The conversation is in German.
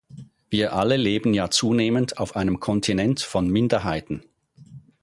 Wir alle leben ja zunehmend auf einem Kontinent von Minderheiten.